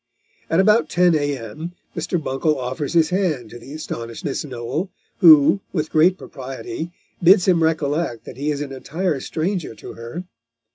At about 10 A.M. Mr. Buncle offers his hand to the astonished Miss Noel, who, with great propriety, bids him recollect that he is an entire stranger to her.